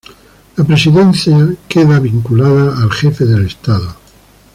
La Presidencia queda vinculada al Jefe del Estado.